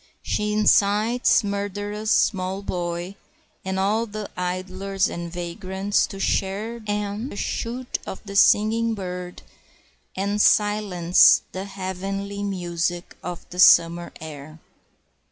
She incites the murderous small boy and all the idlers and vagrants to share and shoot the singing bird, and silence the heavenly music of the summer air.